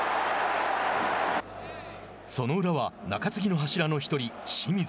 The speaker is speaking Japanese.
その裏は中継ぎの柱の１人、清水。